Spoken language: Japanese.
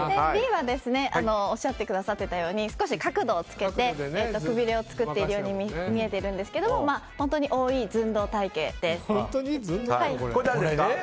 Ｂはおっしゃってくださっていたように少し角度をつけてくびれを作っているように見えるんですけど本当に多い、寸胴体形です。